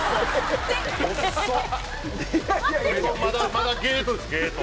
まだゲートですゲート。